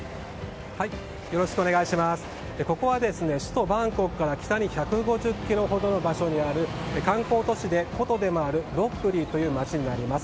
ここは首都バンコクから北に１５０ｋｍほどの場所にある観光都市で古都でもあるロッブリーという街です。